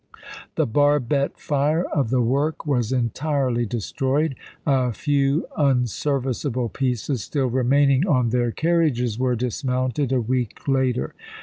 " The barbette fire of the work was entirely destroyed. A few unserviceable pieces, still remaining on their carriages, were dismounted a week later.